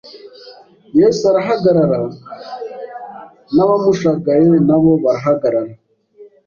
Yesu arahagarara, n'abamushagaye na bo barahagarara